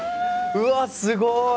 うわすごい！